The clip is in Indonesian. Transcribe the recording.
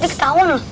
dia ketauan loh